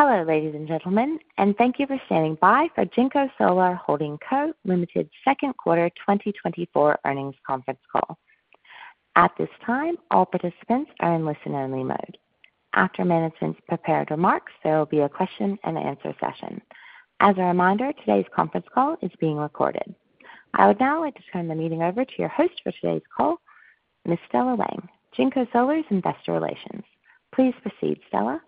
Hello, ladies and gentlemen, and thank you for standing by for JinkoSolar Holding Co., Limited. Second Quarter 2024 Earnings Conference Call. At this time, all participants are in listen-only mode. After management's prepared remarks, there will be a question and answer session. As a reminder, today's conference call is being recorded. I would now like to turn the meeting over to your host for today's call, Miss Stella Wang, JinkoSolar's Investor Relations. Please proceed, Stella.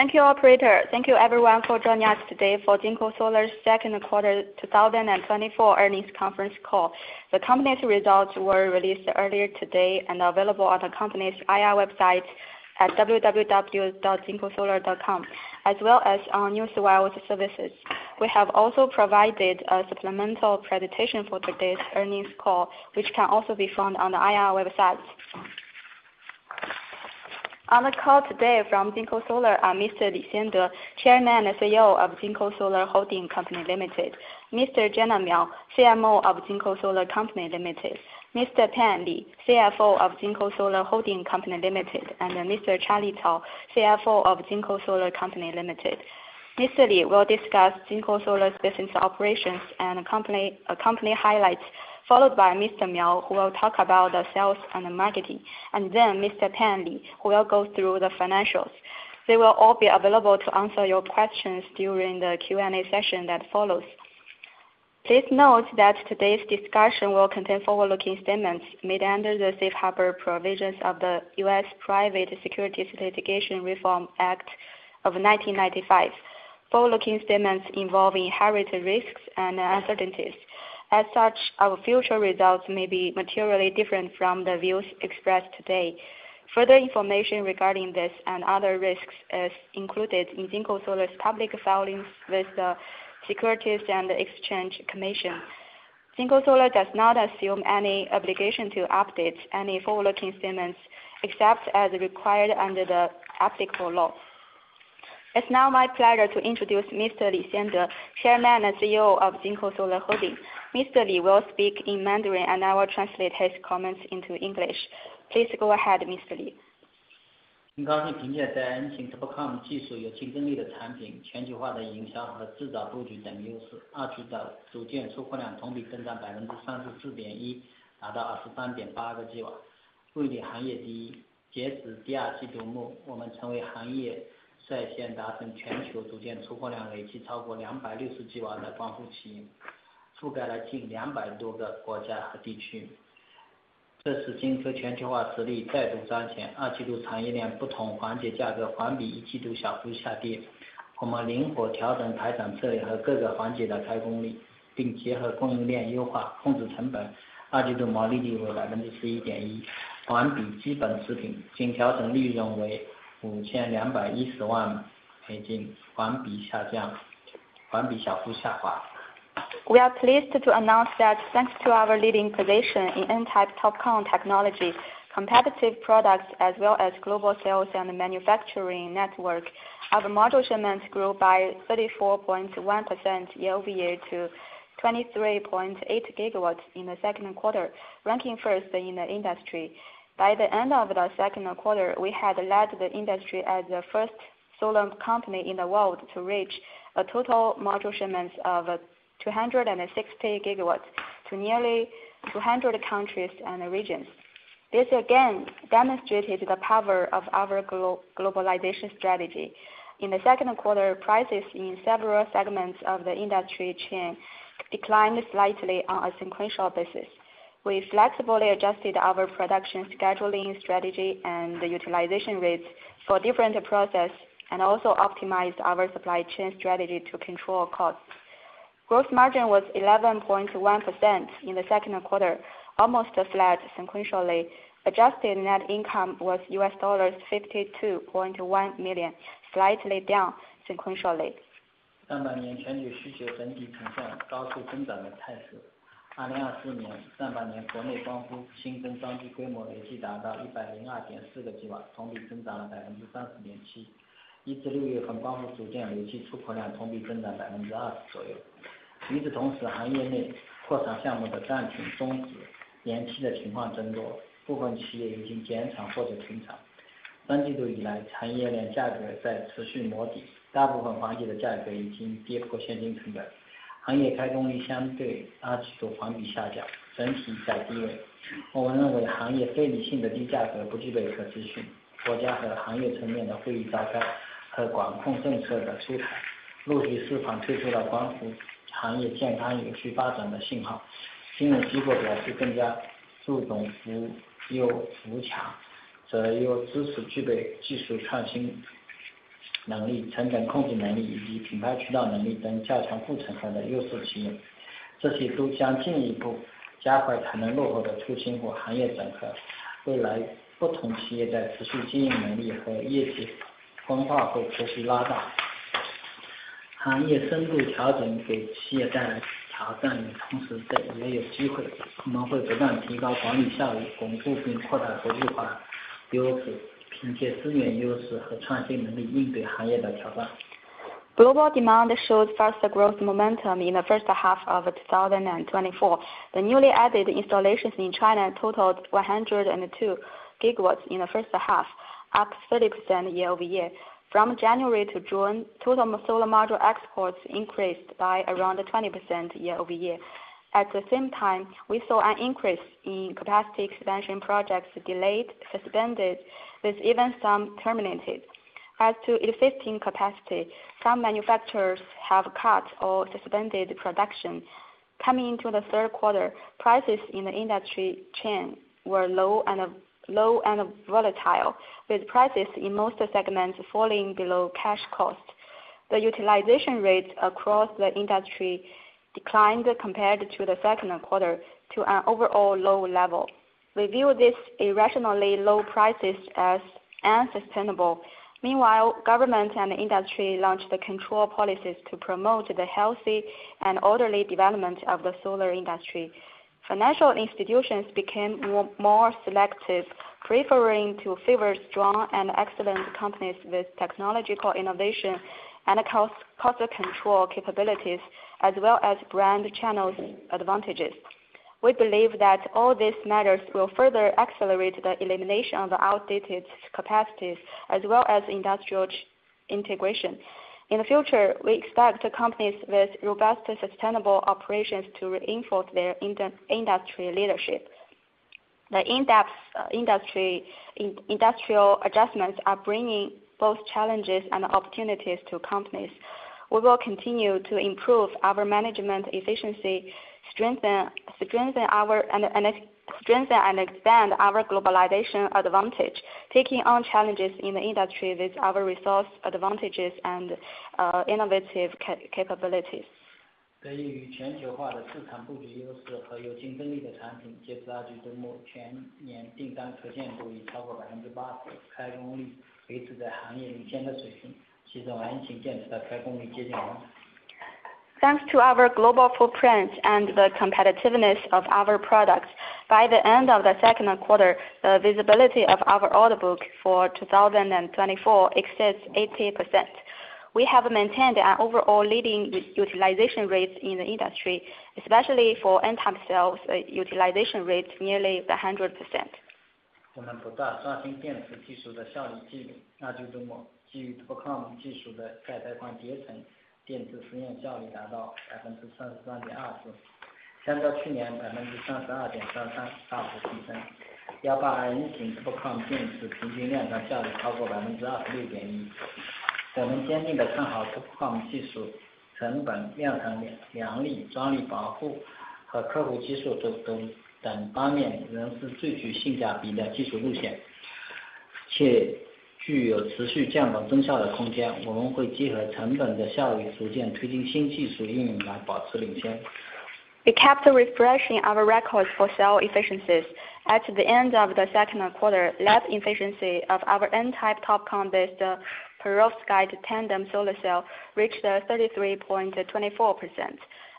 Thank you, operator. Thank you everyone for joining us today for JinkoSolar's second quarter 2024 earnings conference call. The company's results were released earlier today and are available on the company's IR website at www.jinkosolar.com, as well as our news wire services. We have also provided a supplemental presentation for today's earnings call, which can also be found on the IR websites. On the call today from JinkoSolar are Mr. Li Xiande, Chairman and CEO of JinkoSolar Holding Company Limited; Mr. Gener Miao, CMO of JinkoSolar Company Limited; Mr. Pan Li, CFO of JinkoSolar Holding Company Limited; and Mr. Charlie Cao, CFO of JinkoSolar Company Limited. Mr. Li will discuss JinkoSolar's business operations and company highlights, followed by Mr. Miao, who will talk about the sales and the marketing, and then. Mr. Pan Li, who will go through the financials. They will all be available to answer your questions during the Q&A session that follows. Please note that today's discussion will contain forward-looking statements made under the Safe Harbor Provisions of the U.S. Private Securities Litigation Reform Act of 1995. Forward-looking statements involve inherent risks and uncertainties. As such, our future results may be materially different from the views expressed today. Further information regarding this and other risks is included in JinkoSolar's public filings with the Securities and Exchange Commission. JinkoSolar does not assume any obligation to update any forward-looking statements, except as required under the applicable law. It's now my pleasure to introduce Mr. Li Xiande, Chairman and CEO of JinkoSolar Holding. Mr. Li will speak in Mandarin, and I will translate his comments into English. Please go ahead, Mr. Li. We are pleased to announce that thanks to our leading position in N-type TOPCon technology, competitive products as well as global sales and manufacturing network, our module shipments grew by 34.1% year-over-year to 23.8 GW in the second quarter, ranking first in the industry. By the end of the second quarter, we had led the industry as the first solar company in the world to reach a total module shipments of 260 GW to nearly 200 countries and regions. This again demonstrated the power of our globalization strategy. In the second quarter, prices in several segments of the industry chain declined slightly on a sequential basis. We flexibly adjusted our production scheduling strategy and the utilization rates for different process, and also optimized our supply chain strategy to control costs. Gross margin was 11.1% in the second quarter, almost flat sequentially. Adjusted net income was $52.1 million, slightly down sequentially. Global demand showed faster growth momentum in the first half of 2024. The newly added installations in China totaled 102 GW in the first half, up 30% year-over-year. From January to June, total solar module exports increased by around 20% year-over-year. At the same time, we saw an increase in capacity expansion projects delayed, suspended, with even some terminated. As to existing capacity, some manufacturers have cut or suspended production. Coming into the third quarter, prices in the industry chain were low and low and volatile, with prices in most segments falling below cash cost. The utilization rates across the industry declined compared to the second quarter to an overall low level. We view these irrationally low prices as unsustainable. Meanwhile, government and industry launched the control policies to promote the healthy and orderly development of the solar industry. Financial institutions became more selective, preferring to favor strong and excellent companies with technological innovation and cost control capabilities, as well as brand channels advantages. We believe that all these matters will further accelerate the elimination of the outdated capacities as well as industrial integration. In the future, we expect companies with robust and sustainable operations to reinforce their industry leadership. The in-depth industrial adjustments are bringing both challenges and opportunities to companies. We will continue to improve our management efficiency and strengthen and expand our globalization advantage, taking on challenges in the industry with our resource advantages and innovative capabilities. Thanks to our global footprint and the competitiveness of our products, by the end of the second quarter, the visibility of our order book for 2024 exceeds 80%. We have maintained an overall leading utilization rates in the industry, especially for N-type cells, utilization rates nearly 100%. We kept refreshing our records for cell efficiencies. At the end of the second quarter, lab efficiency of our N-type TOPCon based perovskite tandem solar cell reached 33.24%,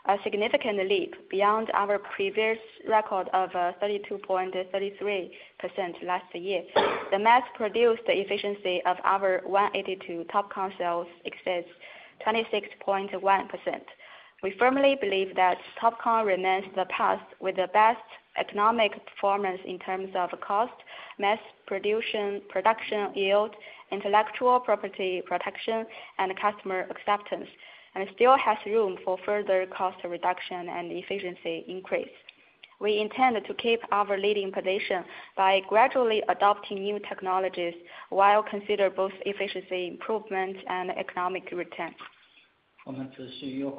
a significant leap beyond our previous record of 32.33% last year. The mass-produced efficiency of our 182 TOPCon cells exceeds 26.1%. We firmly believe that TOPCon remains the path with the best economic performance in terms of cost, mass production, production yield, intellectual property protection, and customer acceptance, and still has room for further cost reduction and efficiency increase. We intend to keep our leading position by gradually adopting new technologies while consider both efficiency improvement and economic return. We continued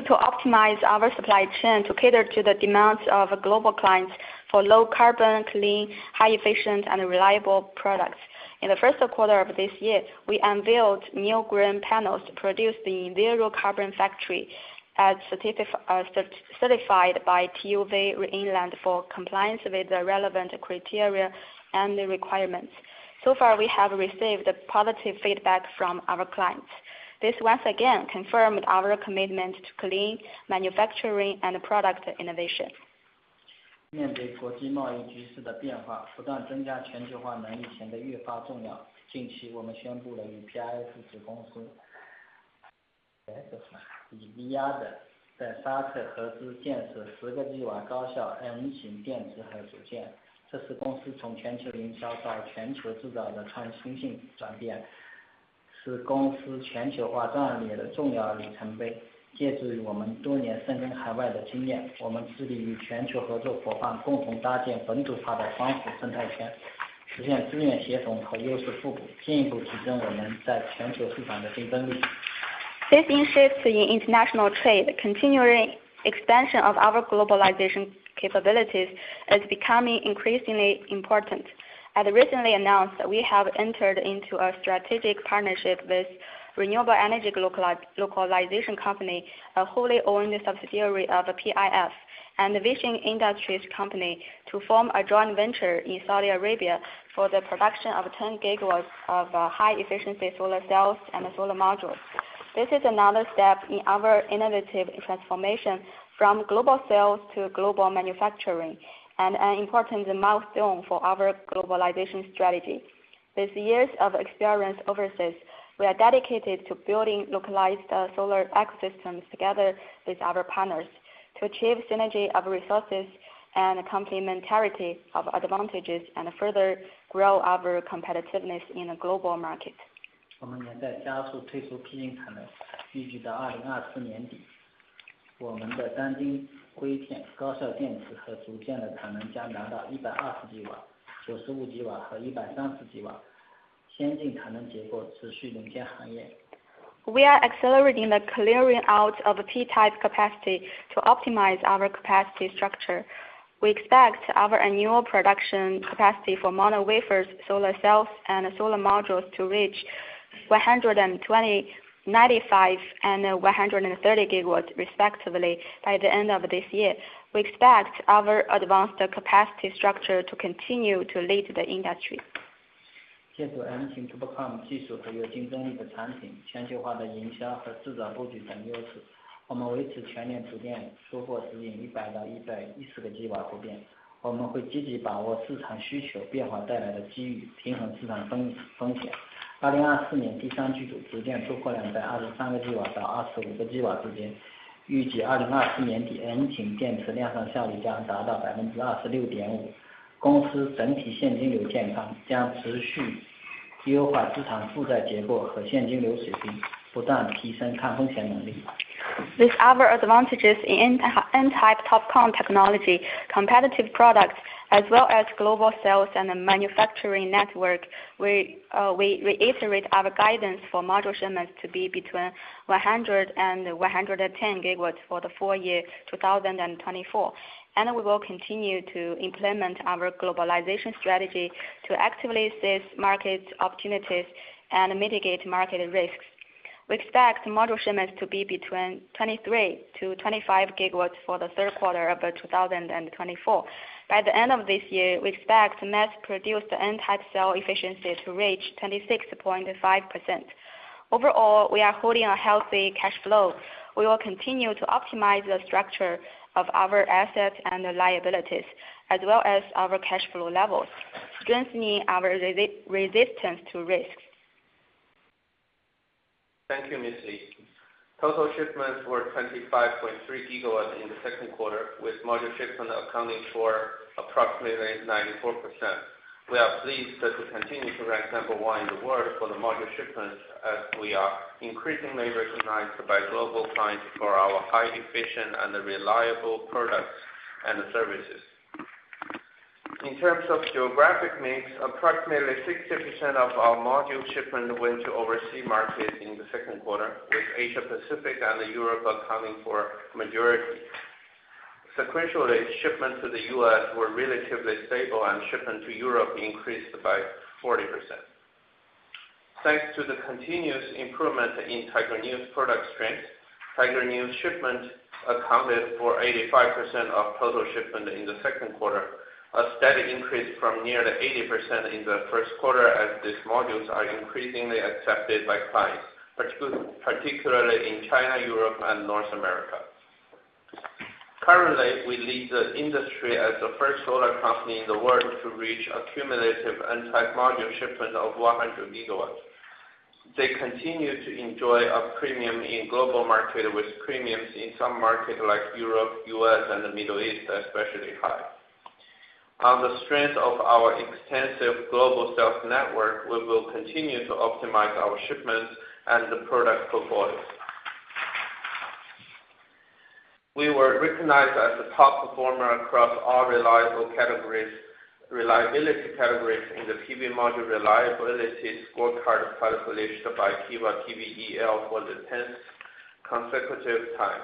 to optimize our supply chain to cater to the demands of global clients for low carbon, clean, high efficient, and reliable products. In the first quarter of this year, we unveiled new green panels produced in zero carbon factory, as certified by TÜV Rheinland for compliance with the relevant criteria and the requirements. So far, we have received positive feedback from our clients. This once again confirmed our commitment to clean manufacturing and product innovation. Facing shifts in international trade, continuing expansion of our globalization capabilities is becoming increasingly important. As recently announced, we have entered into a strategic partnership with Renewable Energy Localization Company, a wholly-owned subsidiary of the PIF, and the Vision Industries Company, to form a joint venture in Saudi Arabia for the production of 10 GW of high-efficiency solar cells and solar modules. This is another step in our innovative transformation from global sales to global manufacturing, and an important milestone for our globalization strategy. With years of experience overseas, we are dedicated to building localized solar ecosystems together with our partners to achieve synergy of resources and complementarity of advantages, and further grow our competitiveness in the global market. We are accelerating the clearing out of P-type capacity to optimize our capacity structure. We expect our annual production capacity for mono wafers, solar cells, and solar modules to reach 120 GW, 95 GW, and 130 GW, respectively, by the end of this year. We expect our advanced capacity structure to continue to lead the industry. With our advantages in N-type TOPCon technology, competitive products, as well as global sales and manufacturing network, we, we reiterate our guidance for module shipments to be between 100 GW and 110 GW for the full year 2024. We will continue to implement our globalization strategy to actively assess market opportunities and mitigate market risks. We expect module shipments to be between 23 GW-25 GW for the third quarter of 2024. By the end of this year, we expect mass-produced N-type cell efficiency to reach 26.5%. Overall, we are holding a healthy cash flow. We will continue to optimize the structure of our assets and liabilities, as well as our cash flow levels, strengthening our resistance to risk. Thank you, Mr. Li. Total shipments were 25.3 GW in the second quarter, with module shipments accounting for approximately 94%. We are pleased that we continue to rank number one in the world for the module shipments, as we are increasingly recognized by global clients for our high efficient and reliable products and services. In terms of geographic mix, approximately 60% of our module shipments went to overseas markets in the second quarter, with Asia Pacific and Europe accounting for majority. Sequentially, shipments to the U.S. were relatively stable and shipments to Europe increased by 40%. Thanks to the continuous improvement in Tiger Neo product strength, Tiger Neo shipments accounted for 85% of total shipments in the second quarter, a steady increase from near 80% in the first quarter, as these modules are increasingly accepted by clients, particularly in China, Europe, and North America. Currently, we lead the industry as the first solar company in the world to reach a cumulative N-type module shipment of 100 GW. They continue to enjoy a premium in global market, with premiums in some markets like Europe, U.S., and the Middle East, especially high. On the strength of our extensive global sales network, we will continue to optimize our shipments and the product portfolios. We were recognized as the top performer across all reliability categories in the PV Module Reliability Scorecard calculation by Kiwa PVEL for the 10th consecutive time.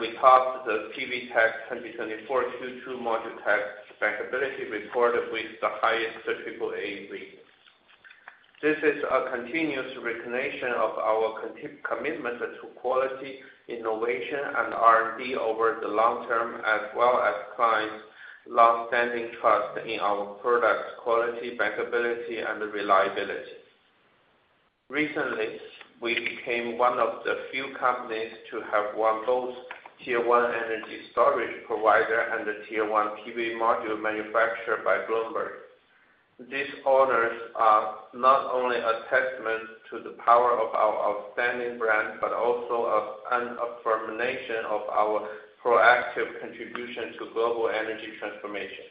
We topped the PVTech 2024 Q2 ModuleTech Bankability Report with the highest AAA grade. This is a continuous recognition of our commitment to quality, innovation, and R&D over the long-term, as well as clients' longstanding trust in our products' quality, bankability, and reliability. Recently, we became one of the few companies to have won both Tier 1 Energy Storage Provider and the Tier 1 PV Module Manufacturer by Bloomberg. These honors are not only a testament to the power of our outstanding brand, but also an affirmation of our proactive contribution to global energy transformation.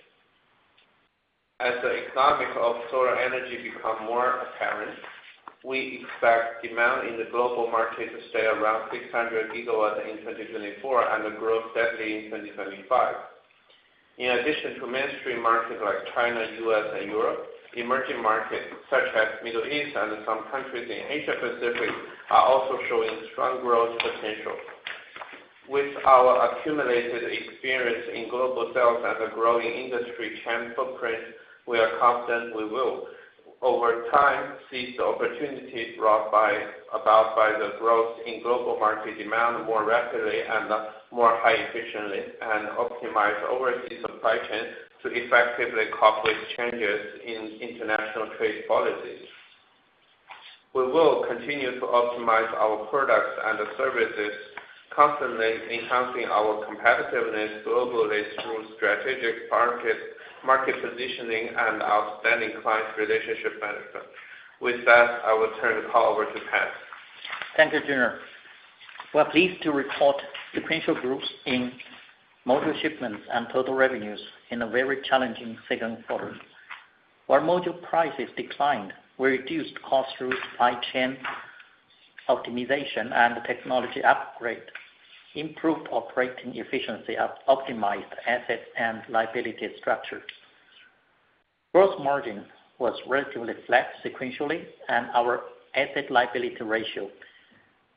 As the economics of solar energy become more apparent, we expect demand in the global market to stay around 600 GW in 2024, and grow steadily in 2025. In addition to mainstream markets like China, U.S., and Europe, emerging markets such as Middle East and some countries in Asia Pacific are also showing strong growth potential. With our accumulated experience in global sales and the growing industry chain footprint, we are confident we will, over time, seize the opportunities brought about by the growth in global market demand more rapidly and more highly efficiently and optimize overseas supply chain to effectively cope with changes in international trade policies. We will continue to optimize our products and the services, constantly enhancing our competitiveness globally through strategic market positioning and outstanding client relationship management. With that, I will turn the call over to Pan. Thank you, Gener. We're pleased to report sequential growth in module shipments and total revenues in a very challenging second quarter. While module prices declined, we reduced costs through supply chain optimization and technology upgrade, improved operating efficiency, optimized asset and liability structure. Gross margin was relatively flat sequentially, and our asset liability ratio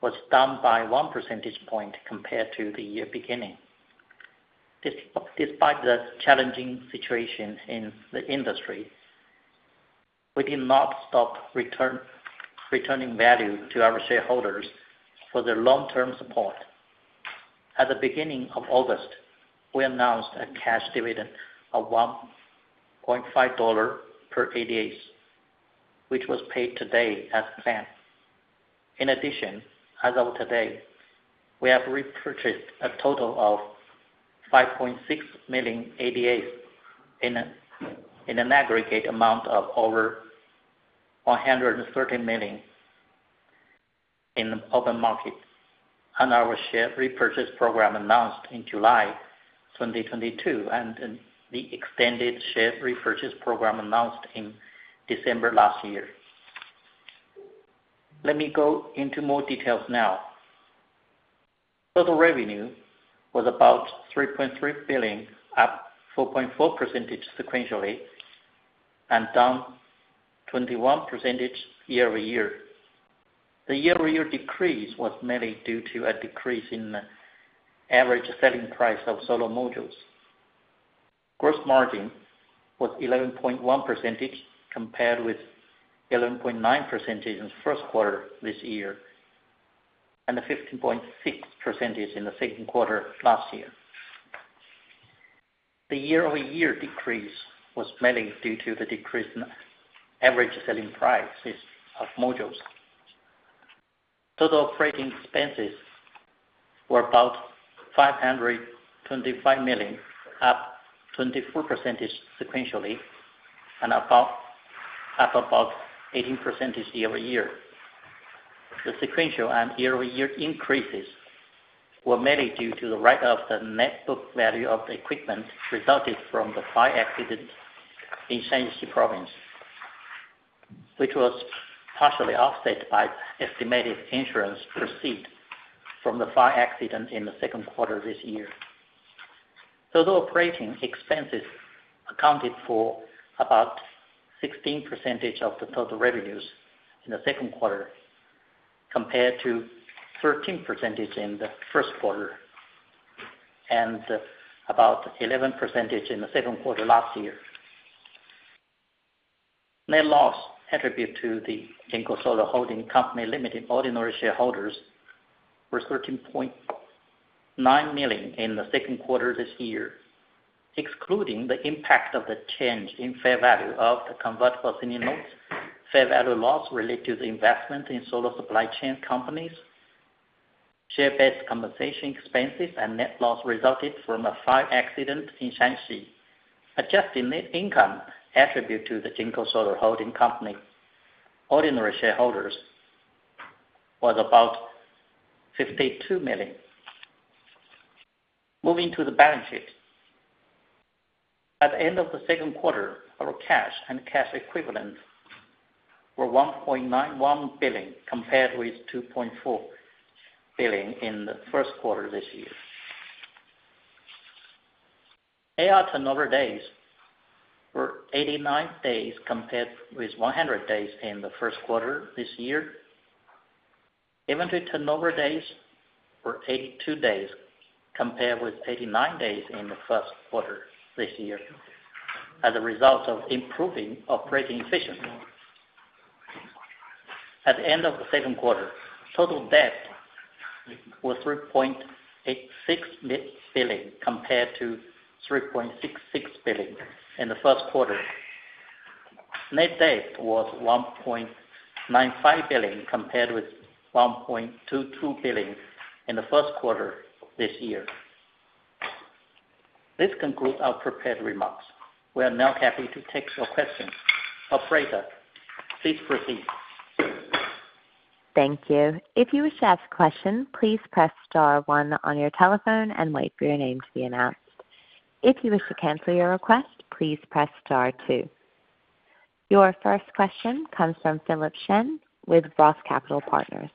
was down by one percentage point compared to the year beginning. Despite the challenging situation in the industry, we did not stop returning value to our shareholders for their long-term support. At the beginning of August, we announced a cash dividend of $1.5 per ADS, which was paid today as planned. In addition, as of today, we have repurchased a total of $5.6 million ADS in an aggregate amount of over $113 million in the open market on our share repurchase program announced in July 2022, and in the extended share repurchase program announced in December last year. Let me go into more details now. Total revenue was about $3.3 billion, up 4.4% sequentially and down 21% year-over-year. The year-over-year decrease was mainly due to a decrease in the average selling price of solar modules. Gross margin was 11.1%, compared with 11.9% in the first quarter this year, and a 15.6% in the second quarter last year. The year-over-year decrease was mainly due to the decrease in average selling prices of modules. Total operating expenses were about $525 million, up 24% sequentially and up about 18% year-over-year. The sequential and year-over-year increases were mainly due to the write-off of the net book value of the equipment resulting from the fire accident in Shanxi Province, which was partially offset by estimated insurance proceeds from the fire accident in the second quarter this year. Total operating expenses accounted for about 16% of the total revenues in the second quarter, compared to 13% in the first quarter and about 11% in the second quarter last year. Net loss attributable to the JinkoSolar Holding Company Limited ordinary shareholders was $13.9 million in the second quarter this year, excluding the impact of the change in fair value of the convertible senior notes, fair value loss related to the investment in solar supply chain companies, share-based compensation expenses, and net loss resulted from a fire accident in Shanxi. Adjusted net income attributable to the JinkoSolar Holding Company ordinary shareholders was about $52 million. Moving to the balance sheet. At the end of the second quarter, our cash and cash equivalents were $1.91 billion, compared with $2.4 billion in the first quarter this year. AR turnover days were 89 days, compared with 100 days in the first quarter this year. Inventory turnover days were 82 days, compared with 89 days in the first quarter this year, as a result of improving operating efficiency. At the end of the second quarter, total debt was $3.86 billion, compared to $3.66 billion in the first quarter. Net debt was $1.95 billion, compared with $1.22 billion in the first quarter this year. This concludes our prepared remarks. We are now happy to take your questions. Operator, please proceed. Thank you. If you wish to ask a question, please press star one on your telephone and wait for your name to be announced. If you wish to cancel your request, please press star two. Your first question comes from Philip Shen with Roth Capital Partners.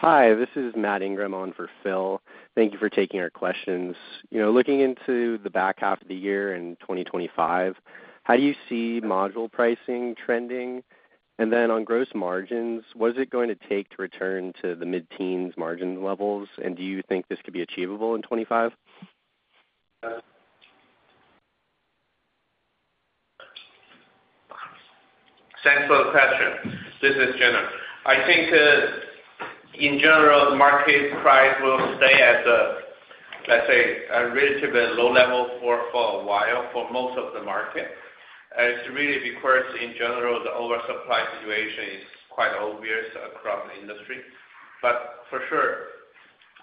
Hi, this is Matt Ingraham on for Phil. Thank you for taking our questions. You know, looking into the back half of the year in 2025, how do you see module pricing trending? And then on gross margins, what is it going to take to return to the mid-teens margin levels? And do you think this could be achievable in 2025? Thanks for the question. This is Gener. I think, in general, the market price will stay at the, let's say, a relatively low level for a while for most of the market. It's really because, in general, the oversupply situation is quite obvious across the industry. But for sure,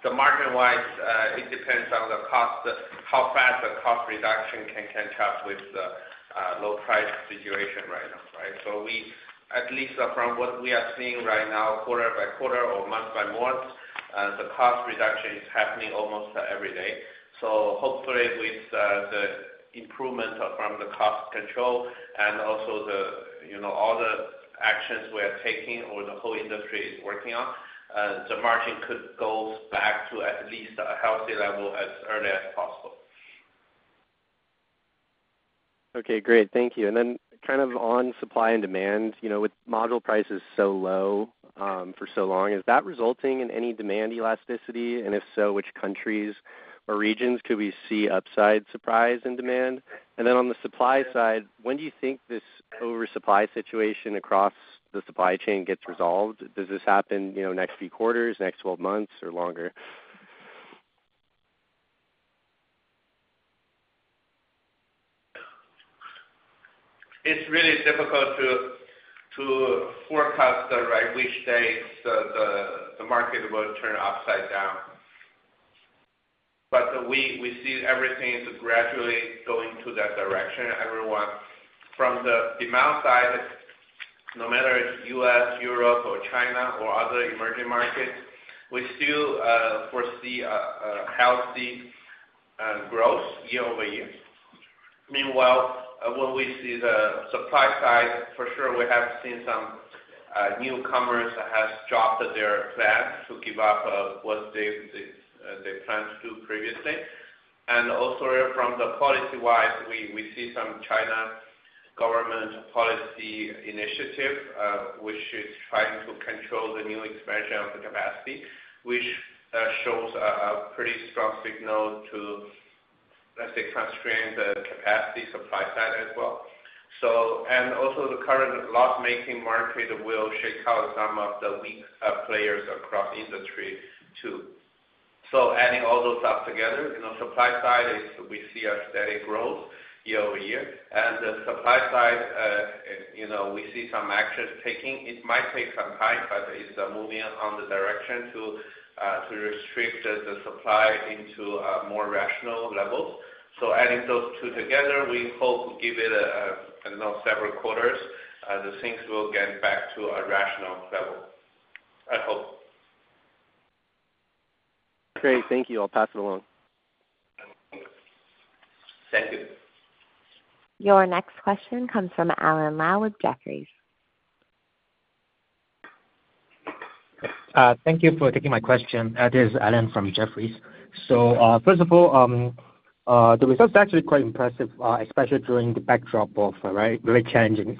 the margin-wise, it depends on the cost, how fast the cost reduction can catch up with the low price situation right now, right? So at least from what we are seeing right now, quarter-by-quarter or month by month, the cost reduction is happening almost every day. So hopefully, with the improvement from the cost control and also the, you know, all the actions we are taking or the whole industry is working on, the margin could go back to at least a healthy level as early as possible. Okay, great. Thank you. And then kind of on supply and demand, you know, with module prices so low, for so long, is that resulting in any demand elasticity? And if so, which countries or regions could we see upside surprise in demand? And then on the supply side, when do you think this oversupply situation across the supply chain gets resolved? Does this happen, you know, next few quarters, next 12 months or longer? It's really difficult to forecast the right, which days the market will turn upside down. But we see everything is gradually going to that direction, everyone. From the demand side, no matter if U.S., Europe or China or other emerging markets, we still foresee a healthy growth year-over-year. Meanwhile, when we see the supply side, for sure, we have seen some newcomers that has dropped their plans to give up what they planned to do previously. And also from the policy-wise, we see some China government policy initiative, which is trying to control the new expansion of the capacity, which shows a pretty strong signal to, let's say, constrain the capacity supply side as well. So, and also the current loss-making market will shake out some of the weak players across the industry, too. So, adding all those up together, you know, supply side is we see a steady growth year-over-year, and the supply side, you know, we see some actions taking. It might take some time, but it's moving on the direction to restrict the supply into a more rational level. So, adding those two together, we hope to give it a, you know, several quarters, the things will get back to a rational level, I hope. Great. Thank you. I'll pass it along. Thank you. Your next question comes from Alan Lau with Jefferies. Thank you for taking my question. This is Alan from Jefferies. So, first of all, the results are actually quite impressive, especially during the backdrop of a very, very challenging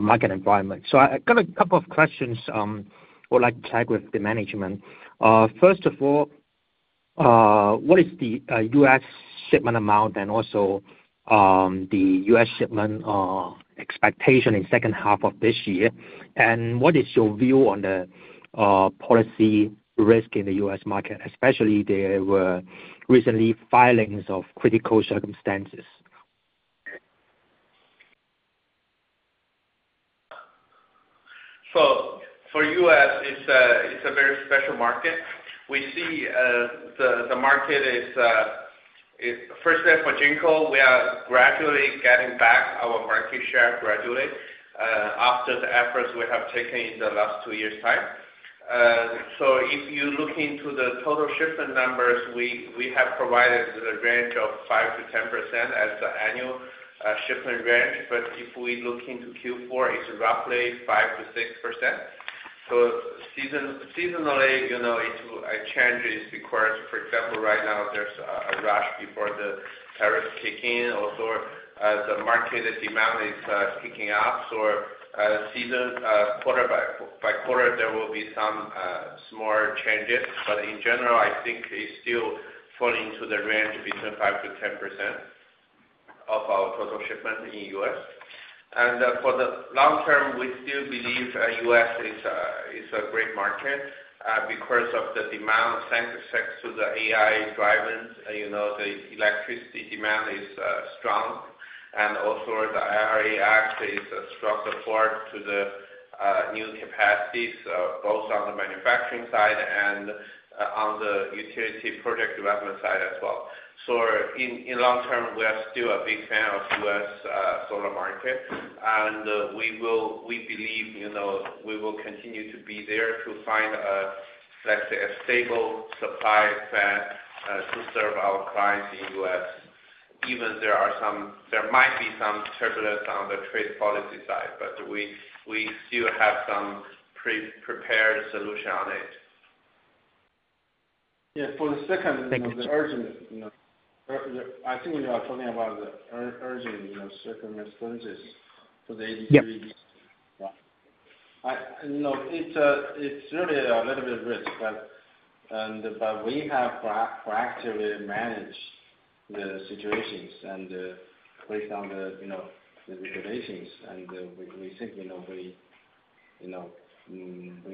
market environment. So I got a couple of questions, I would like to check with the management. First of all, what is the U.S. shipment amount and also the U.S. shipment expectation in second half of this year? And what is your view on the policy risk in the U.S. market, especially there were recently filings of critical circumstances? So for the U.S., it's a very special market. We see the market is. First, say, for Jinko, we are gradually getting back our market share after the efforts we have taken in the last two years' time. So if you look into the total shipment numbers, we have provided a range of 5-10% as the annual shipment range, but if we look into Q4, it's roughly 5%-6%. Seasonally, you know, it will changes because, for example, right now, there's a rush before the tariffs kick in. Also, the market demand is kicking up. So, seasonally, quarter by quarter, there will be some small changes. In general, I think it's still falling to the range between 5%-10% of our total shipment in U.S. For the long-term, we still believe U.S. is a great market because of the demand thanks to the AI driving, you know, the electricity demand is strong. Also, the IRA Act is a strong support to the new capacities both on the manufacturing side and on the utility project development side as well. So in long-term, we are still a big fan of U.S. solar market, and we believe, you know, we will continue to be there to find a, let's say, a stable supply plan to serve our clients in U.S., even there might be some turbulence on the trade policy side, but we still have some pre-prepared solution on it. Yeah, for the second. The urgent, you know, I think you are talking about the urgent, you know, circumstances for the ADS Yeah. Yeah. No, it's really a little bit risk, but we have proactively managed the situations and based on, you know, the regulations. And we think, you know, we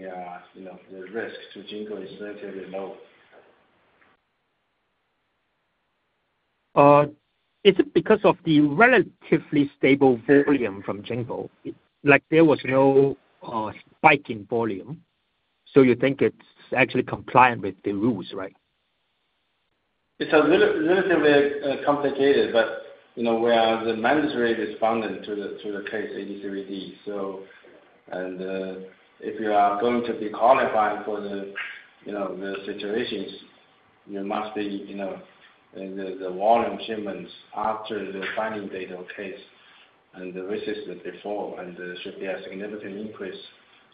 are, you know, the risk to Jinko is relatively low. Is it because of the relatively stable volume from Jinko? Like, there was no spike in volume, so you think it's actually compliant with the rules, right? It's a little bit complicated, but you know, we are the management respondent to the AD/CVD case So if you are going to be qualified for the situations, you know, you must be the volume shipments after the filing date of the case and then versus before, and there should be a significant increase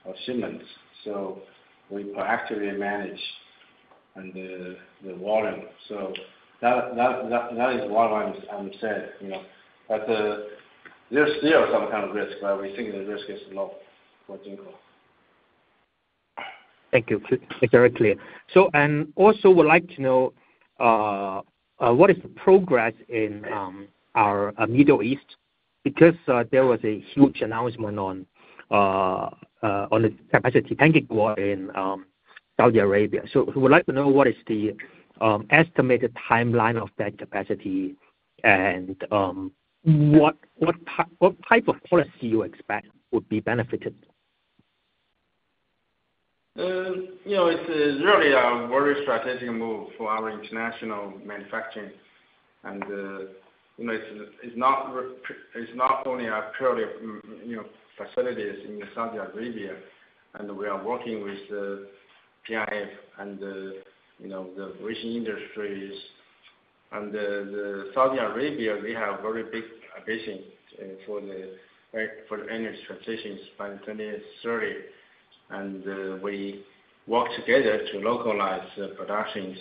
of shipments. So we proactively manage the volume. So that is one line, as I said, you know. But there's still some kind of risk, but we think the risk is low for Jinko. Thank you. It's very clear. So, and also would like to know, what is the progress in, our Middle East? Because, there was a huge announcement on, on the capacity in, Saudi Arabia. So we would like to know what is the, estimated timeline of that capacity and, what type of policy you expect would be benefited? You know, it's really a very strategic move for our international manufacturing. And, you know, it's not only our purely, you know, facilities in Saudi Arabia, and we are working with PIF and, you know, Vision Industries. And Saudi Arabia, we have very big ambition for the energy transitions by 2030. And, we work together to localize the productions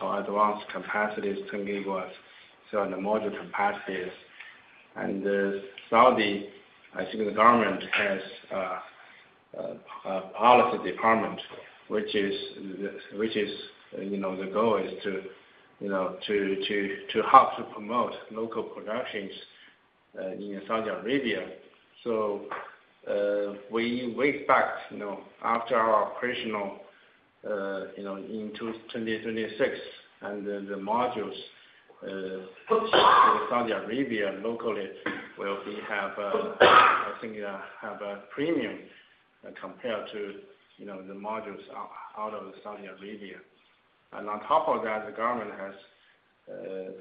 for advanced capacities, 10 GW, so the module capacities. And, Saudi, I think the government has a policy department, which is, you know, the goal is to, you know, to help to promote local productions in Saudi Arabia. We wait back, you know, after our operational, you know, in 2026, and then the modules in Saudi Arabia locally will be, I think, have a premium compared to, you know, the modules out of Saudi Arabia. On top of that, the government has,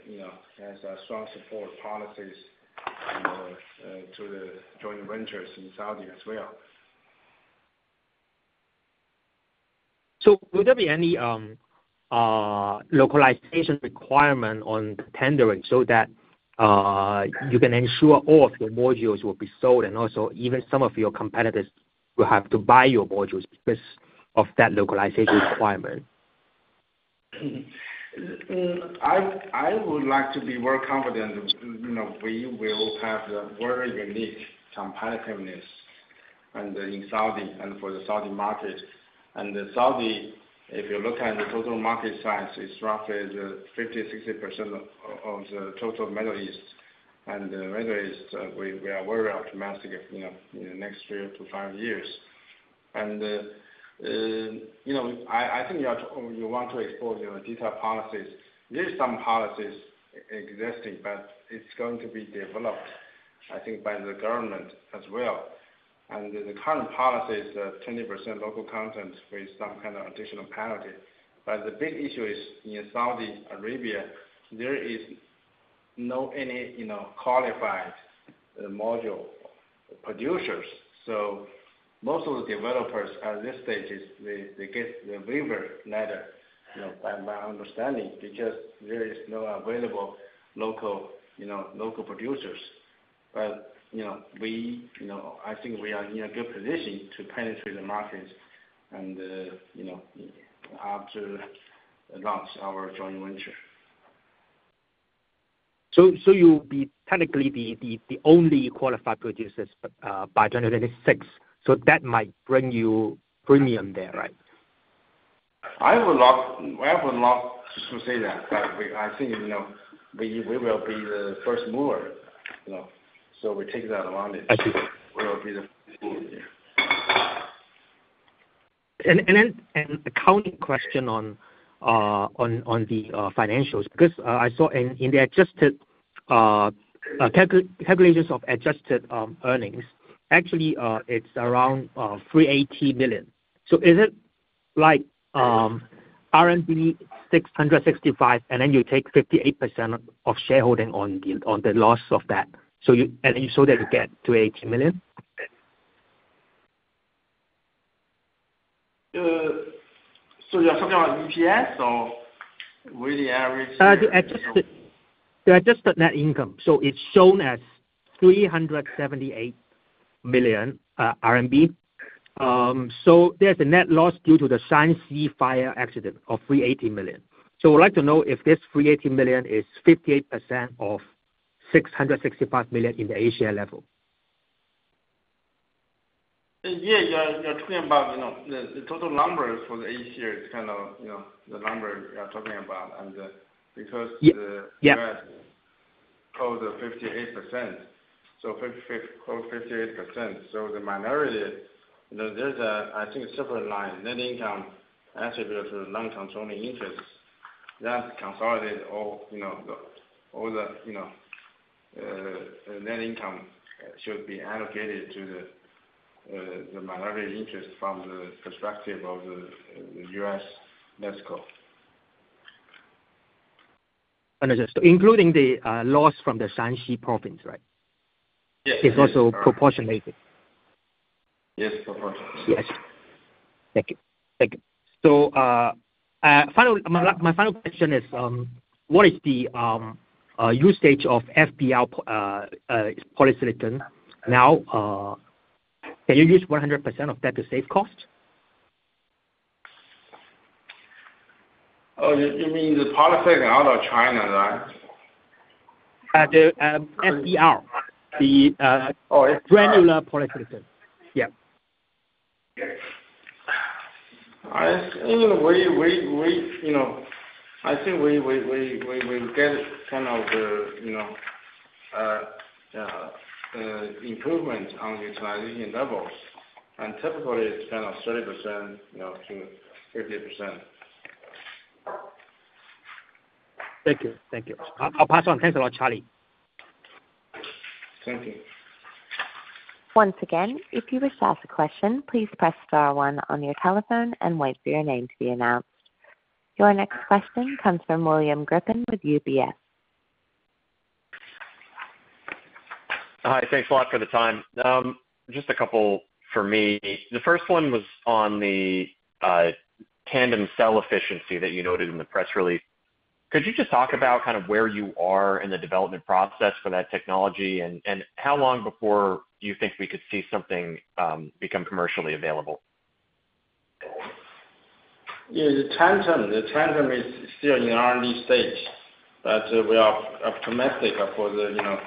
you know, has strong support policies, you know, to the joint ventures in Saudi as well. Will there be any localization requirement on tendering so that you can ensure all of your modules will be sold, and also even some of your competitors will have to buy your modules because of that localization requirement? I would like to be more confident, you know, we will have a very unique competitiveness and in Saudi and for the Saudi market. Saudi, if you look at the total market size, is roughly the 50%-60% of the total Middle East. Middle East, we are very optimistic, you know, in the next three to five years. You know, I think you are, you want to explore the detailed policies. There are some policies existing, but it's going to be developed, I think, by the government as well. The current policy is 20% local content with some kind of additional penalty. But the big issue is, in Saudi Arabia, there is no any, you know, qualified module producers. So most of the developers at this stage is they, they get the waiver letter, you know, by my understanding, because there is no available local, you know, local producers. But, you know, we, you know, I think we are in a good position to penetrate the markets and, you know, after launch our joint venture. So you'll be technically the only qualified producers by 2026. So that might bring you premium there, right? I would love, I would love to say that, but we, I think, you know, we, we will be the first mover, you know, so we take that advantage. I see. We will be the first mover. Then an accounting question on the financials, because I saw in the adjusted calculations of adjusted earnings, actually, it's around 380 million. So is it like 665 million, and then you take 58% of shareholding on the loss of that, so you get to 80 million? So you're talking about EPS or really average? The adjusted net income. So it's shown as 378 million RMB. So there's a net loss due to the Shanxi fire accident of 380 million. So I would like to know if this 380 million is 58% of 665 million in the Asia Pacific. Yeah, yeah, you're talking about, you know, the total numbers for the Asia is kind of, you know, the number you are talking about, and, because. Ye- yeah. The U.S. close to 58%. So 55%, close to 58%. So the minority, you know, there's a, I think, separate line, net income attributable to the non-controlling interest that consolidates all, you know, the, all the, you know, net income should be allocated to the, the minority interest from the perspective of the, the U.S. Mexico. Understood. Including the loss from the Shanxi Province, right? Yes. It's also proportionate. Yes, proportionate. Yes. Thank you. Thank you. So, my final question is, what is the usage of FBR polysilicon now? Can you use 100% of that to save cost? Oh, you mean the polysilicon out of China, right? The FBR, the Oh, FBR. Granular polysilicon. Yeah. Yes. You know, we get kind of the, you know, improvement on the utilization levels, and typically it's kind of 30%-50%. Thank you. Thank you. I'll pass on. Thanks a lot, Charlie. Thank you. Once again, if you wish to ask a question, please press star one on your telephone and wait for your name to be announced. Your next question comes from William Grippin with UBS. Hi, thanks a lot for the time. Just a couple for me. The first one was on the tandem cell efficiency that you noted in the press release. Could you just talk about kind of where you are in the development process for that technology? And how long before you think we could see something become commercially available? Yeah, the tandem, the tandem is still in R&D stage, but we are optimistic for the, you know,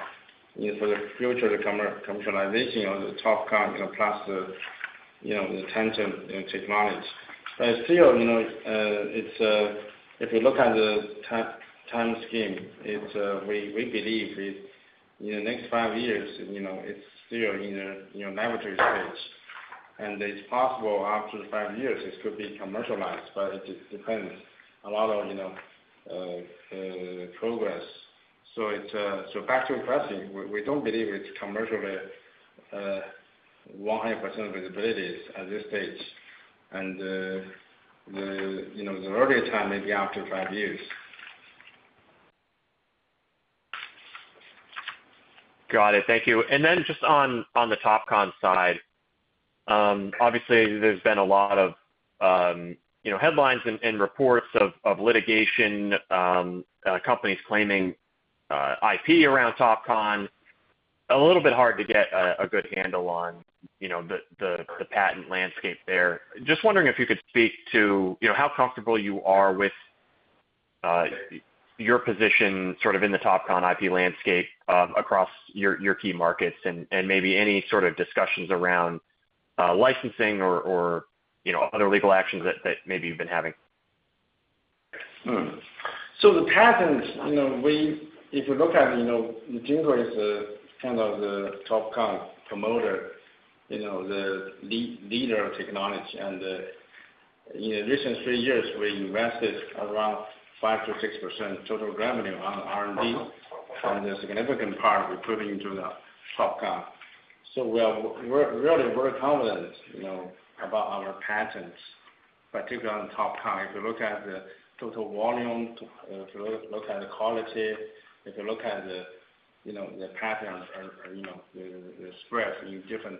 for the future commercialization of the TOPCon, plus the, you know, the tandem technology. But still, you know, it's if you look at the time scheme, it's we believe it, in the next five years, you know, it's still in a, you know, laboratory stage. And it's possible after five years, it could be commercialized, but it depends a lot on, you know, progress. So it's so back to your question, we don't believe it's commercially 100% visibility at this stage. And the, you know, the earlier time, maybe after five years. Got it. Thank you. And then just on the TOPCon side, obviously there's been a lot of, you know, headlines and reports of litigation, companies claiming IP around TOPCon. A little bit hard to get a good handle on, you know, the patent landscape there. Just wondering if you could speak to, you know, how comfortable you are with your position sort of in the TOPCon IP landscape, across your key markets and maybe any sort of discussions around licensing or, you know, other legal actions that maybe you've been having? So the patents, you know, we if you look at, you know, Jinko is a kind of the TOPCon promoter, you know, the leader of technology. And in recent three years, we invested around 5-6% total revenue on R&D, from the significant part, we put into the TOPCon. So we are, we're really very confident, you know, about our patents, particularly on TOPCon. If you look at the total volume, if you look at the quality, if you look at the, you know, the patents or, or, you know, the, the spread in different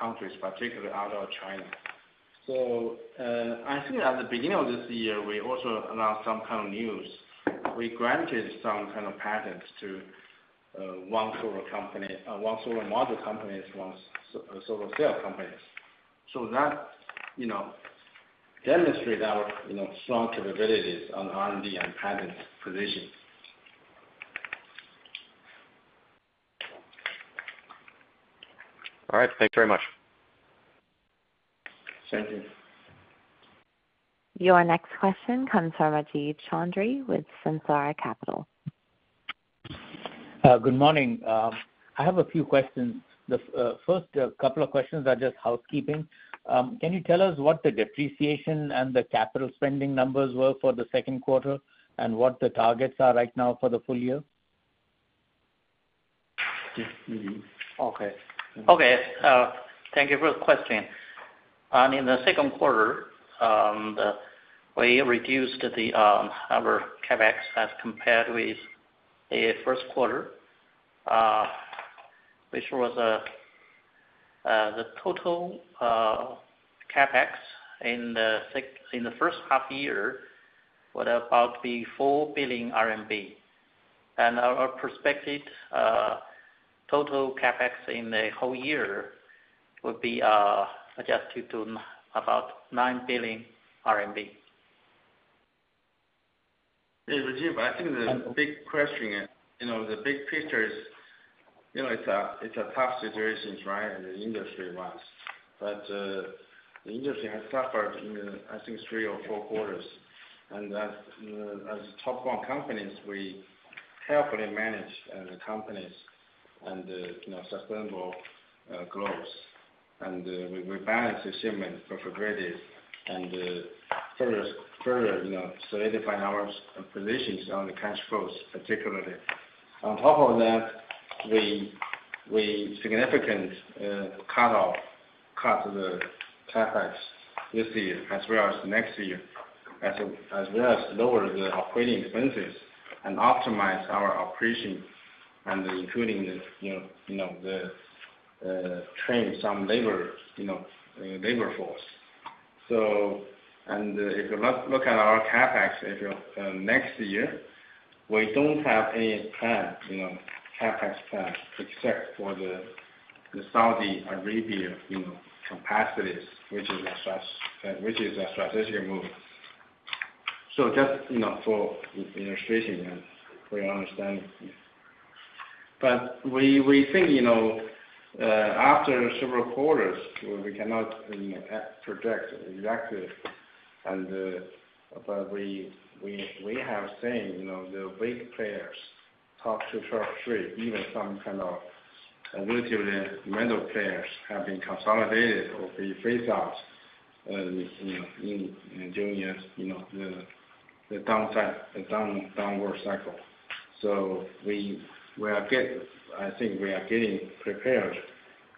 countries, particularly out of China. So I think at the beginning of this year, we also announced some kind of news. We granted some kind of patents to one solar company, one solar module company, one solar cell companies. So that, you know, demonstrate our, you know, strong capabilities on R&D and patent position. All right. Thanks very much. Thank you. Your next question comes from Rajiv Chaudhri with Sunsara Capital. Good morning. I have a few questions. The first couple of questions are just housekeeping. Can you tell us what the depreciation and the capital spending numbers were for the second quarter, and what the targets are right now for the full year? Okay. Okay, thank you for the question. In the second quarter, we reduced our CapEx as compared with the first quarter, which was the total CapEx in the first half year was about RMB 4 billion. And our prospective total CapEx in the whole year would be adjusted to about RMB 9 billion. Hey, Rajiv, I think the big question, you know, the big picture is, you know, it's a tough situation, right, in the industry-wise. But the industry has suffered in, I think, three or four quarters. And as Tier 1 companies, we carefully manage the companies and, you know, sustainable growth. And we balance the shipment for graded and further solidifying our positions on the cash flows, particularly. On top of that, we significantly cut the CapEx this year as well as next year, as well as lower the operating expenses and optimize our operations including the train some labor, you know, labor force. So and if you look at our CapEx, if you next year, we don't have any plan, you know, CapEx plan, except for the Saudi Arabia, you know, capacities, which is a strategic move. So just, you know, for illustration and for your understanding. But we think, you know, after several quarters, we cannot, you know, project exactly. And but we have seen, you know, the big players, top two, top three, even some kind of relatively middle players, have been consolidated or be phased out, you know, in during years, you know, the downside, the downward cycle. So I think we are getting prepared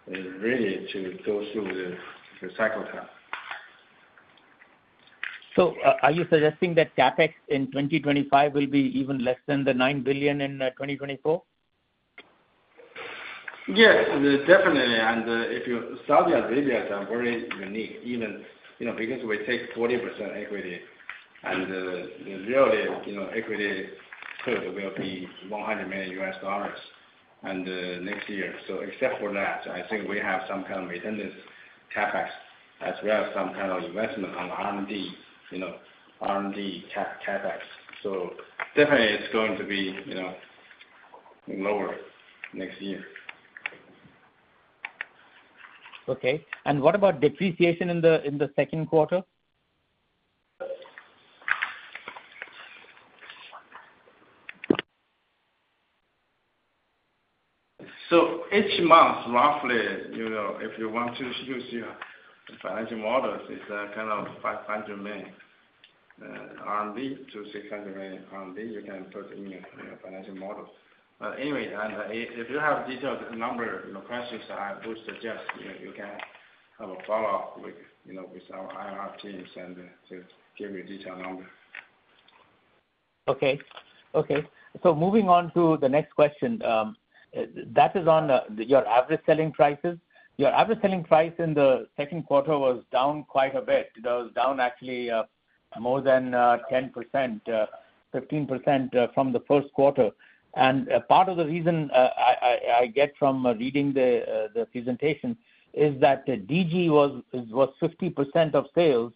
and ready to go through the cycle time. Are you suggesting that CapEx in 2025 will be even less than the 9 billion in 2024? Yes, definitely. And Saudi Arabia is very unique, even, you know, because we take 40% equity. And really, you know, equity total will be $100 million and next year. So except for that, I think we have some kind of maintenance CapEx, as well as some kind of investment on R&D, you know, R&D CapEx. So definitely it's going to be, you know, lower next year. Okay. And what about depreciation in the second quarter? Each month, roughly, you know, if you want to use your financial models, it's kind of 500 million R&D to 600 million R&D. You can put in your financial models. Anyway, if you have detailed number questions, you know, I would suggest you can have a follow-up with, you know, with our IR teams to give you a detailed number. Okay. Okay, so moving on to the next question. That is on your average selling prices. Your average selling price in the second quarter was down quite a bit. It was down actually more than 10%, 15% from the first quarter. And a part of the reason I get from reading the presentation is that DG was 50% of sales,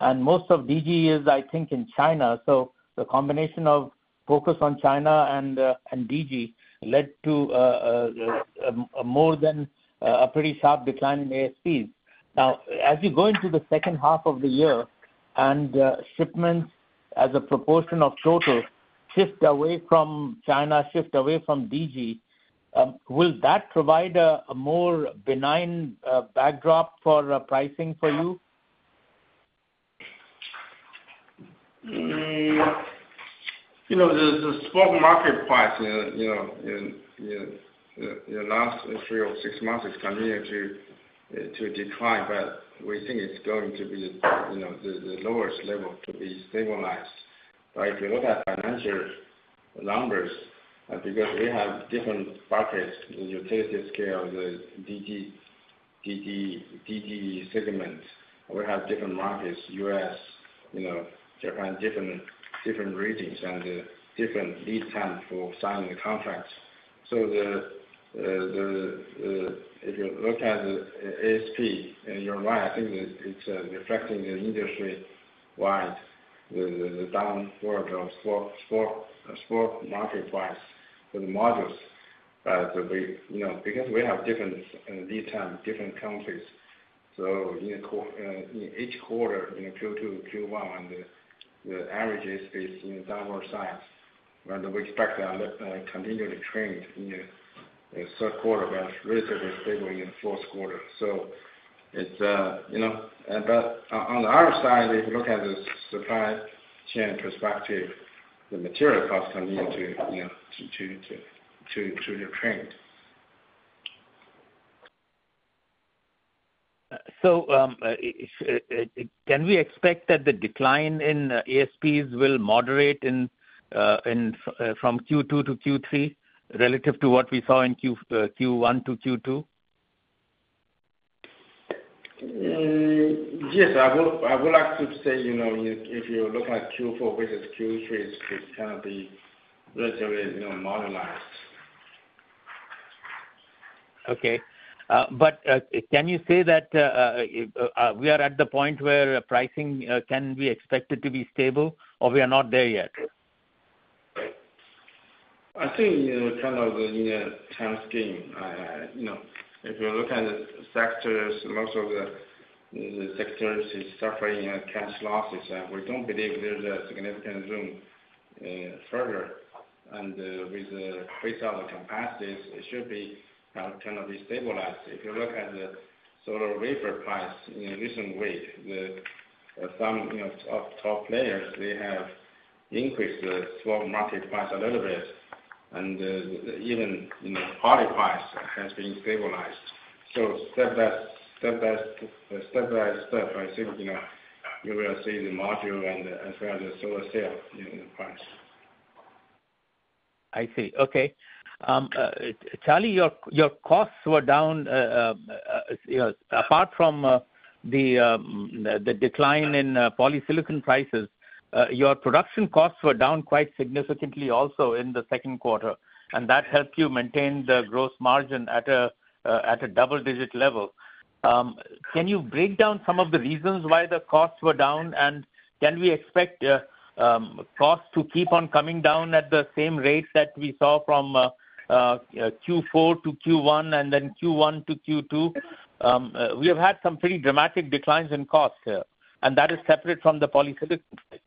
and most of DG is, I think, in China. So the combination of focus on China and DG led to more than a pretty sharp decline in ASPs. Now, as you go into the second half of the year and shipments as a proportion of total shift away from China, shift away from DG, will that provide a more benign backdrop for pricing for you? You know, the spot market price, you know, in the last three or six months is continuing to decline, but we think it's going to be, you know, the lowest level to be stabilized. But if you look at financial numbers, because we have different markets, you take the scale, the DG segment, we have different markets, U.S., you know, Japan, different regions and different lead time for signing the contracts. So the, if you look at the ASP, and you're right, I think it's reflecting the industry-wide, the downward of spot market price for the modules. But we, you know, because we have different lead time, different countries, so in each quarter, in Q1, Q2, the average is in downward trend. We expect a continuing trend in the third quarter, but relatively stable in the fourth quarter. So it's, you know. But on the other side, if you look at the supply chain perspective, the material costs continue to, you know, to decline. So, can we expect that the decline in ASPs will moderate from Q2 to Q3, relative to what we saw in Q1 to Q2? Yes, I would like to say, you know, if you look at Q4 versus Q3, it's gonna be relatively, you know, normalized. Okay. But, can you say that we are at the point where pricing can be expected to be stable, or we are not there yet? I think in terms of the near time scheme, you know, if you look at the sectors, most of the sectors is suffering cash losses, and we don't believe there's a significant room further, and with the phase out of capacities, it should be kind of stabilized. If you look at the solar wafer price in recent weeks, some you know of top players, they have increased the spot market price a little bit, and even you know poly price has been stabilized. So step by step, I think you know, you will see the module and as well the solar cells in price. I see. Okay. Charlie, your costs were down, you know, apart from the decline in polysilicon prices, your production costs were down quite significantly also in the second quarter, and that helped you maintain the gross margin at a double-digit level. Can you break down some of the reasons why the costs were down? And can we expect costs to keep on coming down at the same rate that we saw from Q4 to Q1, and then Q1 to Q2? We have had some pretty dramatic declines in costs here, and that is separate from the polysilicon price.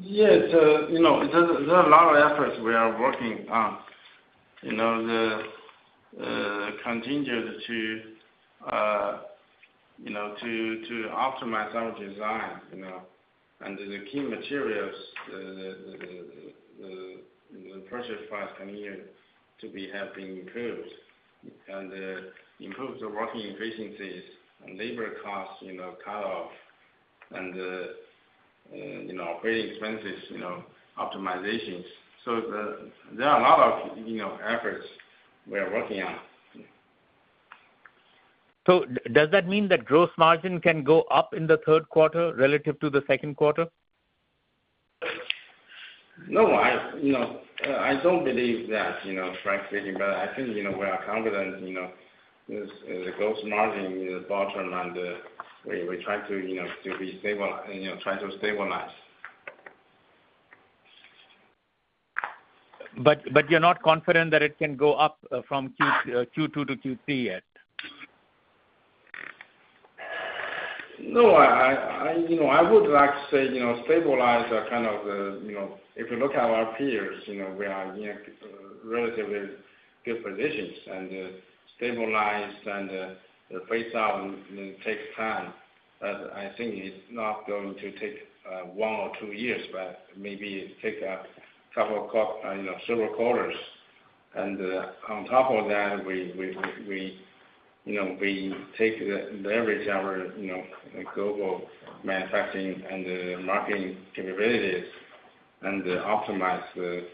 Yes, you know, there are a lot of efforts we are working on. You know, we continued to, you know, to optimize our design, you know, and the key materials, the purchase price continue to be helping improved. And improve the working efficiencies and labor costs, you know, cut off and, you know, operating expenses, you know, optimizations. So there are a lot of, you know, efforts we are working on. Does that mean that gross margin can go up in the third quarter relative to the second quarter? No, you know, I don't believe that, you know, frankly, but I think, you know, we are confident, you know, the gross margin is bottom and we try to, you know, try to stabilize. But, you're not confident that it can go up from Q2 to Q3 yet? No, I, you know, I would like to say, you know, stabilize the kind of, you know. If you look at our peers, you know, we are in a relatively good positions, and, stabilize and, the phase out takes time. But I think it's not going to take, one or two years, but maybe it take a couple of, you know, several quarters. And, on top of that, we, you know, we take the leverage our, you know, global manufacturing and the marketing capabilities and optimize the,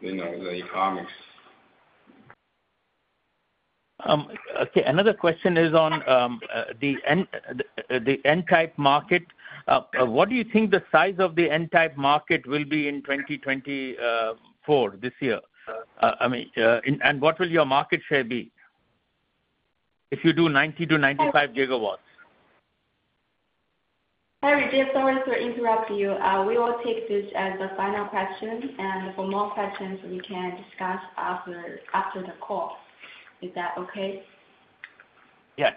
you know, the economics. Okay, another question is on the N-type market. What do you think the size of the N-type market will be in 2024, this year? I mean, what will your market share be if you do 90 GW-95 GW? All right, sorry to interrupt you. We will take this as the final question, and for more questions, we can discuss after the call. Is that okay? Yeah.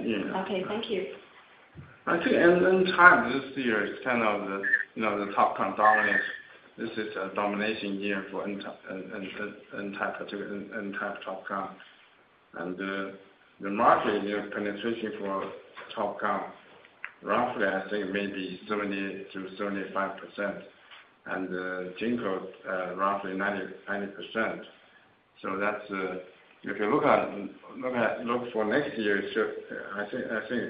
Yeah. Okay, thank you. I think in time, this year is kind of the, you know, the top dominance. This is a domination year for N-type, N-type TOPCon. And the market penetration for TOPCon, roughly, I think maybe 70%-75%, and Jinko roughly 90%. So that's if you look at, look at- look for next year, so I think, I think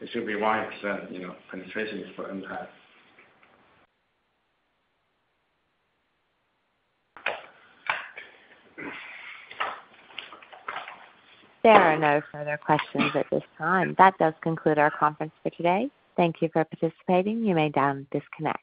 it should be wide extent, you know, penetrations for N-type. There are no further questions at this time. That does conclude our conference for today. Thank you for participating. You may now disconnect.